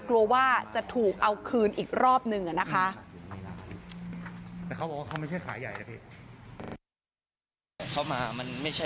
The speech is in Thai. กลัวว่าจะถูกเอาคืนอีกรอบหนึ่งอะนะคะ